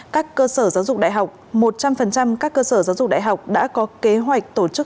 các cơ sở giáo dục đại học một trăm linh các cơ sở giáo dục đại học đã có kế hoạch tổ chức